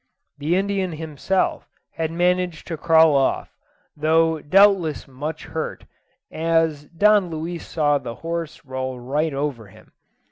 The Indian himself had managed to crawl off, though doubtless much hurt, as Don Luis saw the horse roll right over him.